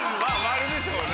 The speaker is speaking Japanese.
「○」でしょうね。